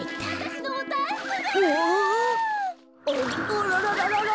あららららら。